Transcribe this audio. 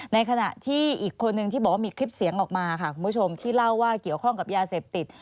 ในขณะที่อีกคนนึงที่บอกว่ามีคลิปเสียงออกมาค่ะคุณผู้ชมที่เล่าว่าเกี่ยวข้องกับยาเสพติด